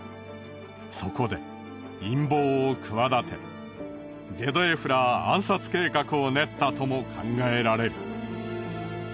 そこで陰謀を企てジェドエフラー暗殺計画を練ったとも考えられる。